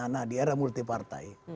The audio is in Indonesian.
nah di era multipartai